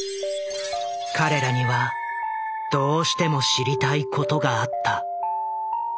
彼らにはどうしても知りたいことがあった。